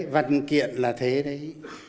văn kiện là thế đấy